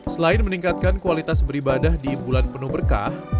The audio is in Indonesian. selain meningkatkan kualitas beribadah di bulan penuh berkah